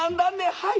「はい。